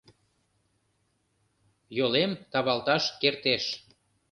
Йолем тавалташ кертеш.